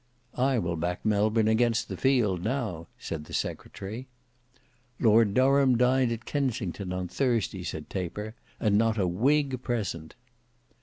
"I will back Melbourne against the field, now," said the secretary. "Lord Durham dined at Kensington on Thursday," said Taper, "and not a whig present."